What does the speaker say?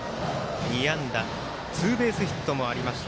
２安打ツーベースヒットもありました。